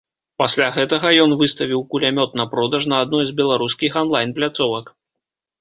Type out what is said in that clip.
Пасля гэтага ён выставіў кулямёт на продаж на адной з беларускіх анлайн-пляцовак.